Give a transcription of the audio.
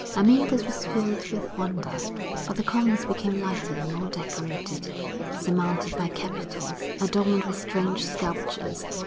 Amyntas was filled with wonder, for the columns became lighter and more decorated, surmounted by capitals, adorned with strange sculptures.